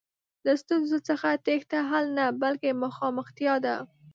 له ستونزو څخه تېښته حل نه، بلکې مخامختیا ده.